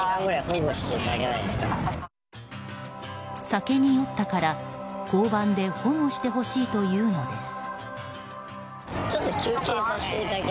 酒に酔ったから、交番で保護してほしいというのです。